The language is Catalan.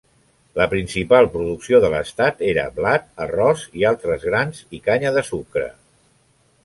La principal producció de l'estat era blat, arròs, i altres grans i canya de sucre.